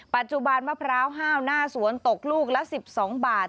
ปัจจุบันมะพร้าวห้าวหน้าสวนตกลูกละ๑๒บาท